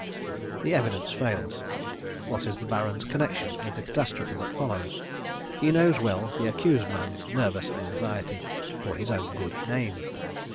The evidence fails. What is the Baron's connection with the catastrophe that follows? He knows well the accused man's nervous anxiety for his own good name.